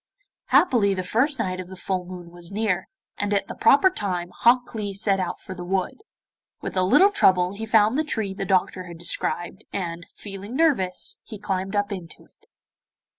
Happily the first night of the full moon was near, and at the proper time Hok Lee set out for the wood. With a little trouble he found the tree the doctor had described, and, feeling nervous, he climbed up into it.